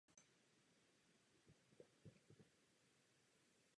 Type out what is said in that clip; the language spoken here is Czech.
Hlavní oblast zisků byla z provozu satelitní sítě.